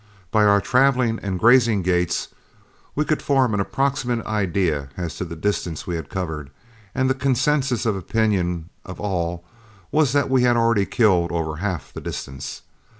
By our traveling and grazing gaits, we could form an approximate idea as to the distance we had covered, and the consensus of opinion of all was that we had already killed over half the distance.